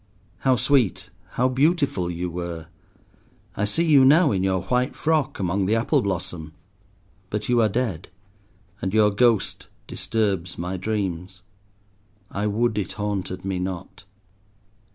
How sweet, how beautiful you were. I see you now in your white frock among the apple blossom. But you are dead, and your ghost disturbs my dreams. I would it haunted me not.